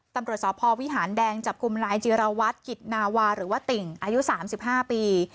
ตำรวจสพวิหารแดงจับกลุ่มนายจิรวัตรกิจนาวาหรือว่าติ่งอายุ๓๕ปี